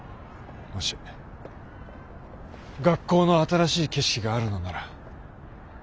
もし学校の新しい景色があるのなら。